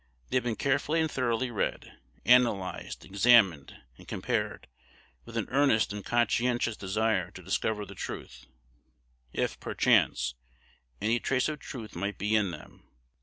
They have been carefully and thoroughly read, analyzed, examined, and Compared, with an earnest and conscientious desire to discover the truth, if, perchance, any trace of truth might be in them.